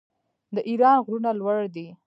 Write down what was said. د ایران غرونه لوړ دي.